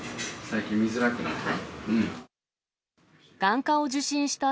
最近見づらくなった？